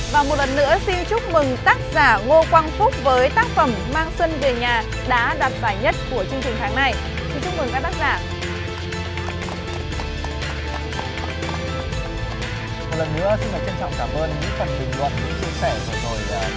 và một lần nữa xin chúc mừng tác giả